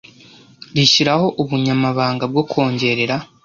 rishyiraho Ubunyamabanga bwo kongerera